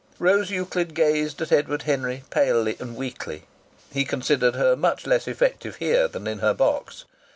Rose Euclid gazed at Edward Henry palely and weakly. He considered her much less effective here than in her box.